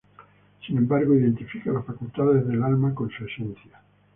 Sin embargo, identifica las facultades del alma con su esencia.